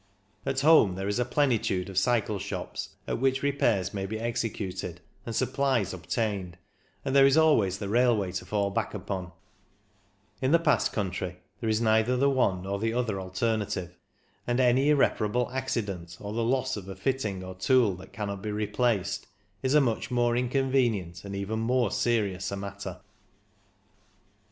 At home there is a plenitude of cycle shops at which repairs may be executed and supplies obtained, and there is always the railway to fall back upon ; in the Pass country there is neither the one nor the other alterna tive, and any irreparable accident, or the loss of a fitting or tool that cannot be replaced, is a much more inconvenient and even more serious a matter.